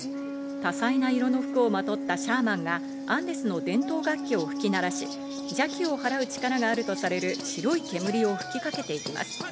多彩な色の服をまとったシャーマンがアンデスの伝統楽器を吹き鳴らし、邪気を祓う力があるとされる白い煙を吹きかけています。